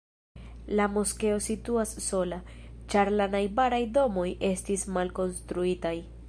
La moskeo situas sola, ĉar la najbaraj domoj estis malkonstruitaj.